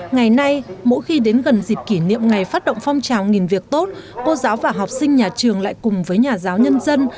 ngày nay mỗi khi đến gần dịp kỷ niệm ngày phát động phong trào nghìn việc tốt cô giáo và học sinh nhà trường lại cùng với nhà giáo nhân dân